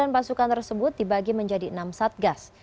tiga ratus sembilan pasukan tersebut dibagi menjadi enam satgas